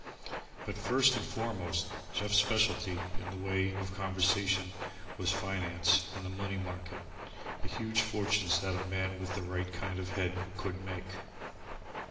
But first and foremost, Jeff's specialty in the way of conversation was finance and the money market, the huge fortunes that a man with the right kind of head could make.